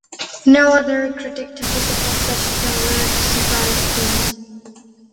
No other critic touches upon such diversified themes.